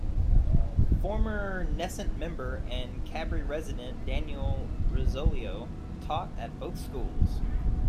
Former Knesset member and Kabri resident Daniel Rosolio taught at both schools.